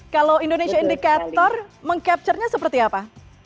kalau indonesia indicator meng capture nya seperti apa